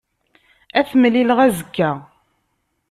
Ad t-mlileɣ azekka.